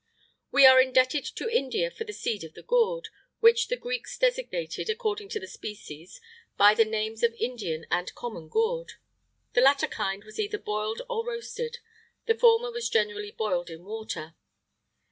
We are indebted to India for the seed of the gourd,[IX 63] which the Greeks designated, according to the species, by the names of Indian and common gourd. The latter kind was either boiled or roasted; the former was generally boiled in water.